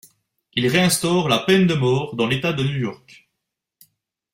Il réinstaure la peine de mort dans l’État de New York.